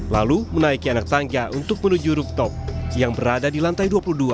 lalu menaiki anak tangga untuk menuju rooftop yang berada di lantai dua puluh dua